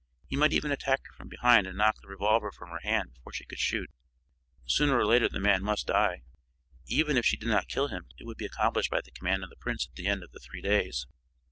He might even attack her from behind and knock the revolver from her hand before she could shoot. Sooner or later the man must die. Even if she did not kill him it would be accomplished by the command of the prince at the end of the three days.